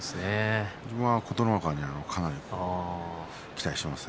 自分は琴ノ若にかなり期待しています。